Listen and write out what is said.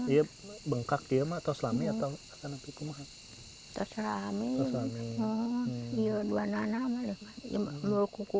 ini awalnya tidak ada tapi semasa ini begitu